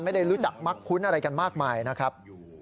ไม่ได้รู้จักมักคุ้นอะไรกันมากมายนะครับ